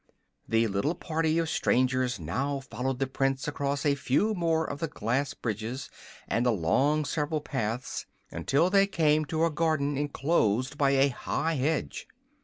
The little party of strangers now followed the Prince across a few more of the glass bridges and along several paths until they came to a garden enclosed by a high hedge.